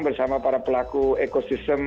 bersama para pelaku ekosistem